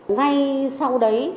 ngay sau đấy